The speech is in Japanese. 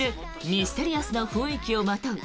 ミステリアスな雰囲気をまとう